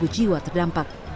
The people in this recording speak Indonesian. delapan jiwa terdampak